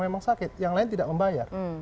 memang sakit yang lain tidak membayar